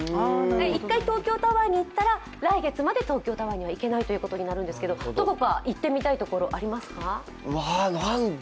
１回東京タワーに行ったら来月まで東京タワーには行けないということになりますけど、どこか行ってみたいところ、ありますか？